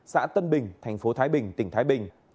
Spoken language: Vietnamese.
xã tân bình thành phố thái bình tỉnh thái bình